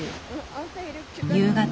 夕方。